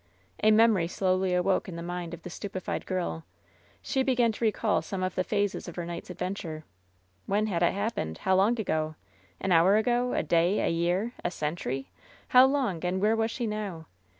As memory slowly awoke in the mind of the stupefied girl, she began to recall some of the phases of her night's adventure. When had it happened? How long ago? An hour ago? A day? A year? A century? How long? And where was she now?